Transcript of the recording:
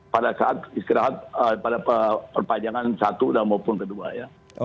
pada saat istirahat pada perpanjangan satu dan maupun kedua ya